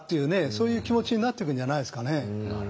そういう気持ちになってくんじゃないですかね。